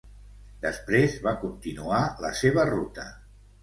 Després va continuar la seva ruta.